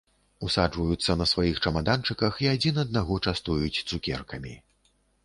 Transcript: Усаджваюцца на сваіх чамаданчыках і адзін аднаго частуюць цукеркамі.